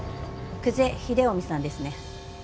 久瀬秀臣さんですね？